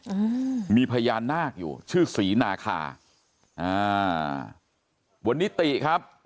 อืมมีพญานาคอยู่ชื่อศรีนาคาอ่าวันนี้ติครับ